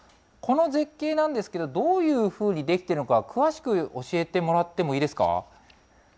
この絶景なんですけど、どういうふうに出来てるのか、詳しく教えてもらってもいいですか。